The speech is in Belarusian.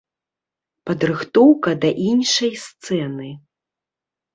Падрыхтоўка да іншай сцэны.